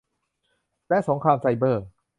และสงครามไซเบอร์